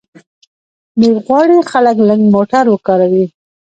دوی غواړي خلک لږ موټر وکاروي.